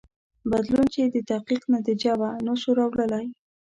بدلون چې د تحقیق نتیجه وه نه شو راوړلای.